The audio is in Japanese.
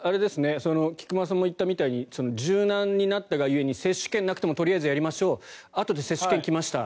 菊間さんも言ったみたいに柔軟になったが故に接種券がなくてもとりあえずやりましょうあとで接種券が来ました。